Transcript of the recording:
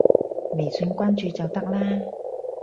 微信關注就得啦